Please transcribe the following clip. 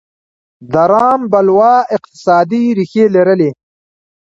د رام بلوا اقتصادي ریښې لرلې.